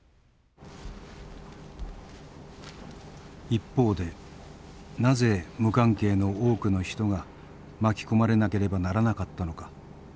一方でなぜ無関係の多くの人が巻き込まれなければならなかったのか。